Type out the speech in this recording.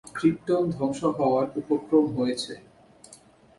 Krypton ধ্বংস হওয়ার উপক্রম হয়েছে।